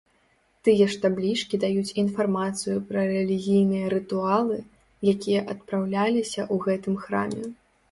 Тыя ж таблічкі даюць інфармацыю пра рэлігійныя рытуалы, якія адпраўляліся ў гэтым храме.